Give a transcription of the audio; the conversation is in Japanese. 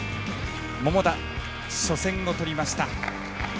桃田、初戦を取りました。